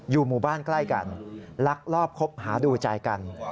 หมู่บ้านใกล้กันลักลอบคบหาดูใจกัน